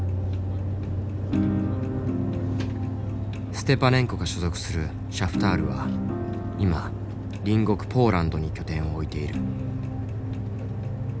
ステパネンコが所属するシャフタールは今隣国ポーランドに拠点を置いている。